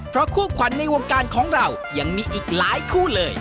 เพราะคู่ขวัญในวงการของเรายังมีอีกหลายคู่เลย